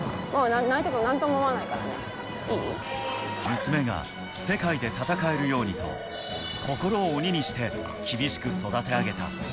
娘が世界で戦えるようにと、心を鬼にして厳しく育て上げた。